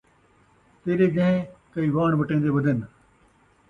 تیݙے جہیں کئی واݨ وٹیندے ودن